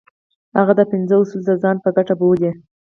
هغه دا پنځه اصول د ځان په ګټه بولي.